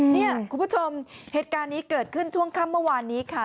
เนี่ยคุณผู้ชมเหตุการณ์นี้เกิดขึ้นช่วงค่ำเมื่อวานนี้ค่ะ